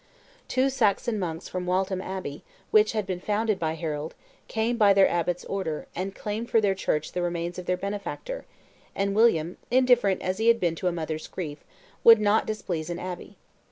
Two Saxon monks from Waltham Abbey, which had been founded by Harold, came, by their abbot's order, and claimed for their church the remains of their benefactor; and William, indifferent as he had been to a mother's grief, would not displease an abbey.